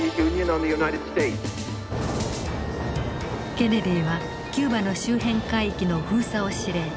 ケネディはキューバの周辺海域の封鎖を指令。